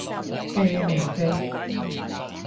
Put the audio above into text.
啤咩呀啤